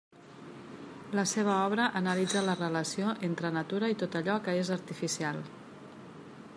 La seva obra analitza la relació entre natura i tot allò que és artificial.